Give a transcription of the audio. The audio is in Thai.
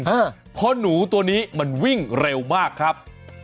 เพราะหนูตัวนี้มันวิ่งเร็วมากครับ